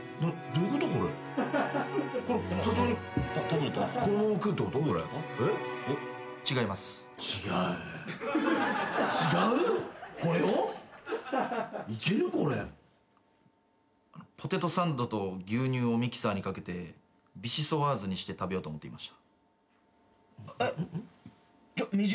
いやだからポテトサンドと牛乳をミキサーにかけてビシソワーズにして食べようと思ってました。